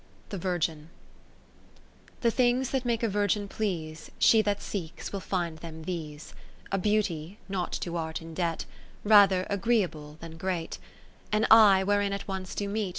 The Virgin The things that make a Virgin please, She that seeks, will find them these ; A Beauty, not to Art in debt, Rather agreeable than great ; An eye, wherein at once do meet.